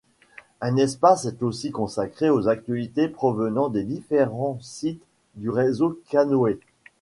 Un espace est aussi consacré aux actualités provenant des différents sites du réseau Canoë.